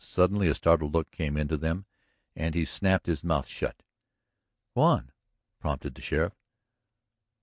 Suddenly a startled look came into them and he snapped his mouth shut. "Go on," prompted the sheriff.